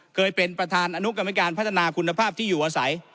เคยเป็นประธานอนุกรรมการพัฒนาคุณภาพที่อยู่อาศัย